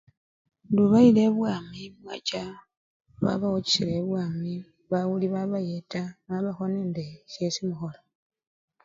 Indi ubayila ebwami bacha babawochesela ebwami bawuli babayeta babakho nende syesi mukhola.